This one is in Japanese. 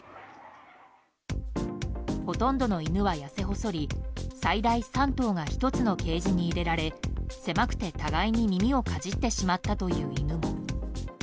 ほとんどの犬は痩せ細り最大３頭が１つのケージに入れられ狭くて互いに、耳をかじってしまったという犬も。